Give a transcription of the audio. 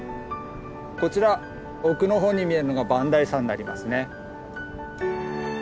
こちら奥の方に見えるのが磐梯山になりますね。